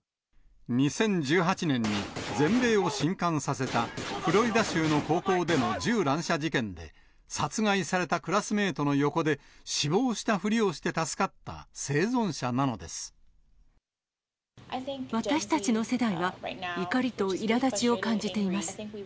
２０１８年に全米をしんかんさせた、フロリダ州の高校での銃乱射事件で、殺害されたクラスメートの横で死亡したふりをして助かった生存者私たちの世代は、怒りといらだちを感じています。